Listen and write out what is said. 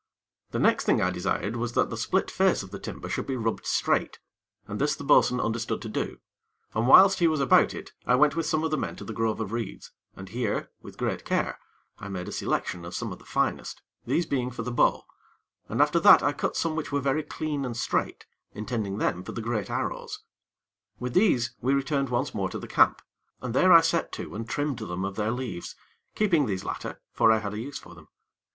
The next thing I desired was that the split face of the timber should be rubbed straight, and this the bo'sun understood to do, and whilst he was about it, I went with some of the men to the grove of reeds, and here, with great care, I made a selection of some of the finest, these being for the bow, and after that I cut some which were very clean and straight, intending them for the great arrows. With these we returned once more to the camp, and there I set to and trimmed them of their leaves, keeping these latter, for I had a use for them.